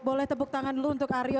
boleh tepuk tangan dulu untuk aryo